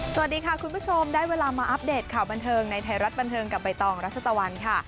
สวัสดีค่ะคุณผู้ชมได้เวลามาอัปเดตข่าวบันเทิงในไทยรัฐบันเทิงกับใบตองรัชตะวันค่ะ